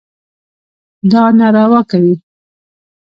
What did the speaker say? دا ناروا کوي.